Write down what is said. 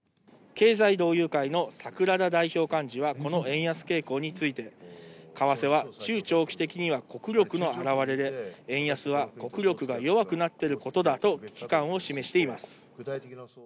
経済同友会の桜田代表幹事は、この円安傾向について、為替は中長期的には国力の表れで、円安は国力が弱くなっていることだと危機感を示しています。